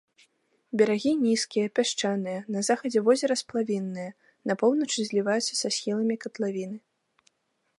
Берагі нізкія, пясчаныя, на захадзе возера сплавінныя, на поўначы зліваюцца са схіламі катлавіны.